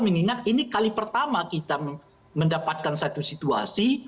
mengingat ini kali pertama kita mendapatkan satu situasi